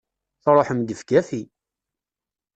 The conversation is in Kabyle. Truḥem gefgafi!